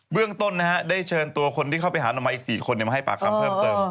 เบื้องต้นนะฮะได้เชิญตัวคนที่เข้าไปหาออกมาอีก๔คนเนี่ยมาให้ปากคำเพิ่มเติม